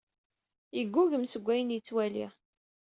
Yeggugem seg wayen yettwali.